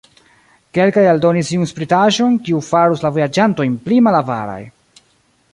Kelkaj aldonis iun spritaĵon, kiu farus la vojaĝantojn pli malavaraj.